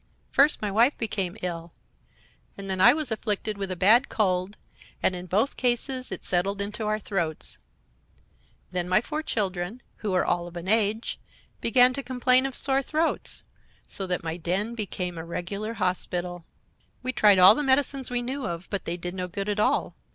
First my wife became ill, and then I was afflicted with a bad cold, and in both cases it settled in our throats. Then my four children, who are all of an age, began to complain of sore throats, so that my den became a regular hospital. "We tried all the medicines we knew of, but they did no good at all.